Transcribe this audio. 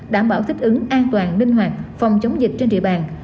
đảm bảo thích ứng an toàn minh hoạt phòng chống dịch trên trị bàn